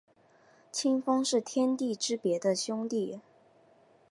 清风是天地之别的兄弟。